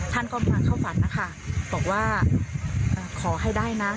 ท่านก็มาเข้าฝันนะคะบอกว่าขอให้ได้นะ